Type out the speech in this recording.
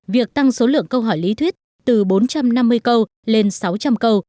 việc tăng số lượng câu hỏi lý thuyết từ bốn trăm năm mươi câu lên sáu trăm linh câu